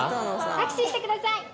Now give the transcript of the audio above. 握手してください